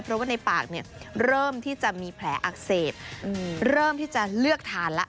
เพราะว่าในปากเนี่ยเริ่มที่จะมีแผลอักเสบเริ่มที่จะเลือกทานแล้ว